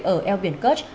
ở eo biển kerch